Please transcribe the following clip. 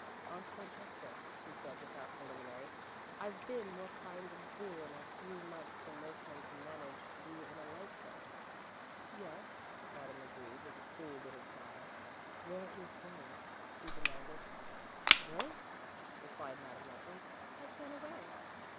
"Aunt Francesca," he said, without preliminary, "I've been more kinds of a fool in a few months than most men can manage to be in a lifetime." "Yes," Madame agreed, with a cool little smile. "Where is Rose?" he demanded. "Rose," replied Madame, lightly, "has gone away."